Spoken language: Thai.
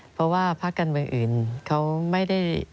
เพราะว่าภาคการเมืองอื่นเขาไม่ได้